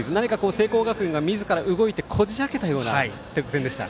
聖光学院がみずから動いてこじ開けたような得点でした。